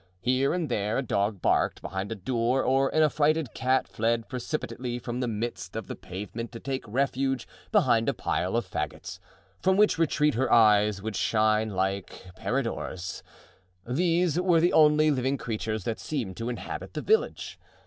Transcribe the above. Here and there a dog barked behind a door or an affrighted cat fled precipitately from the midst of the pavement to take refuge behind a pile of faggots, from which retreat her eyes would shine like peridores. These were the only living creatures that seemed to inhabit the village.